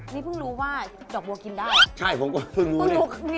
นี่เพิ่งรู้ว่าดอกบัวกินได้